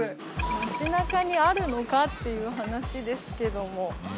街中にあるのか？っていう話ですけども。